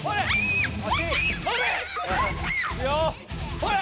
ほれ！